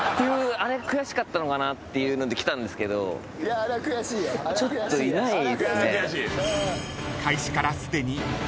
あれくやしかったのかなっていうので来たんですけどちょっといないっすね。